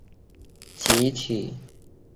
剑突是一骨性软骨结构。